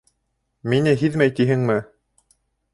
Мине һиҙмәй тиһеңме?